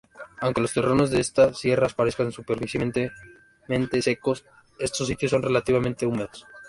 Aunque los terrenos de estas sierras parezcan superficialmente secos, estos sitios son relativamente húmedos.